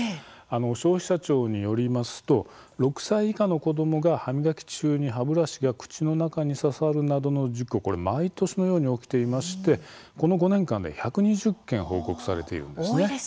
消費者庁によりますと６歳以下の子どもが歯磨き中に歯ブラシが口の中に刺さるなどの事故が毎年のように起きていましてこの５年間で１２０件報告されているんです。